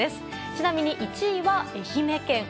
ちなみに１位は、愛媛県。